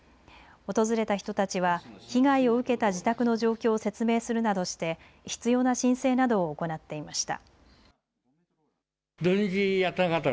訪れた人たちは被害を受けた自宅の状況を説明するなどして必要な申請などを行っていました。